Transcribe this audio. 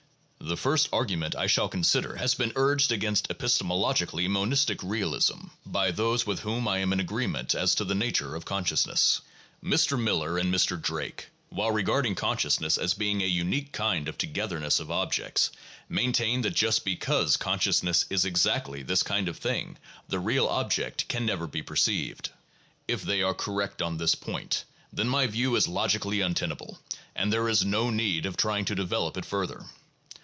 The first argument I shall consider has been urged against epistemologically monistic realism by those with whom I am in agreement as to the nature of consciousness. Mr. Miller and Mr. Drake, 1 while regarding consciousness as being a unique kind of 'togetherness' of objects, maintain that just because con sciousness is exactly this kind of thing the real object can never be perceived. If they are correct on this point, then my view is logically untenable, and there is no need of trying to develop it further.